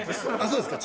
そうですか。